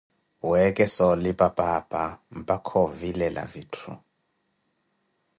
weekesa olipa paapa, mpakha ovilela vitthu.